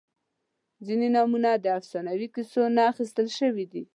• ځینې نومونه د افسانوي کیسو نه اخیستل شوي دي.